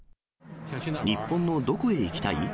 日本のどこへ行きたい？